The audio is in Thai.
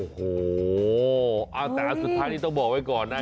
โอ้โหแต่อันสุดท้ายนี่ต้องบอกไว้ก่อน